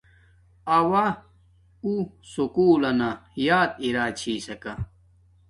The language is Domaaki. اوہ اُو سکُول لنا یات ارم چھس سکا